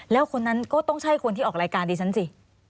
แล้วคนนั้นก็ต้องใช่คนที่ออกรายการดิฉันสิ